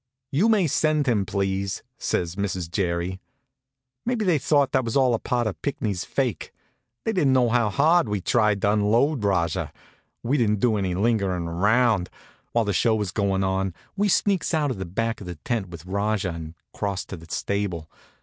"You may send him, please," says Mrs. Jerry. Maybe they thought that was all a part of Pinckney's fake. They didn't know how hard we'd tried to unload Rajah. We didn't do any lingerin' around. While the show was goin' on we sneaks out of the back of the tent with Rajah and across to the stable.